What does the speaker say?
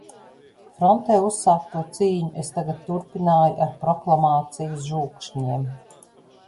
Frontē uzsākto cīņu es tagad turpināju ar proklamāciju žūkšņiem.